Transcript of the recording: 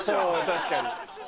確かに。